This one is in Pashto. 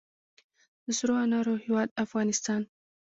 د سرو انارو هیواد افغانستان.